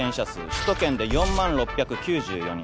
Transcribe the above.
首都圏で４万６９４人。